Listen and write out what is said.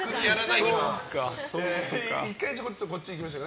１回こっちいきましょう。